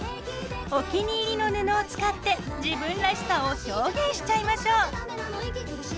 お気に入りの布を使って自分らしさを表現しちゃいましょう。